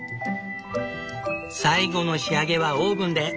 最後の仕上げはオーブンで。